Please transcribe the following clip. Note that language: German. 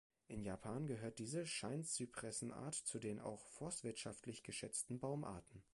In Japan gehört diese Scheinzypressen-Art zu den auch forstwirtschaftlich geschätzten Baum-Arten.